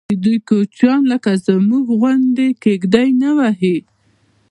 ددوی کوچیان لکه زموږ غوندې کېږدۍ نه وهي.